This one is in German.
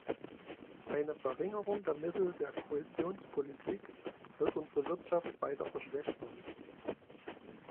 Eine Verringerung der Mittel der Kohäsionspolitik wird unsere Wirtschaft weiter verschlechtern.